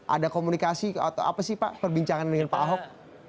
ada komunikasi atau apa sih pak perbincangan dengan pak ahok